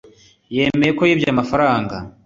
yemeye ko yibye amafaranga